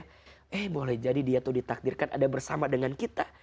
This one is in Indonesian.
eh boleh jadi dia tuh ditakdirkan ada bersama dengan kita